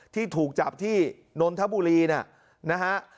ที่ถูกจับที่นนทบุรีนะฮะ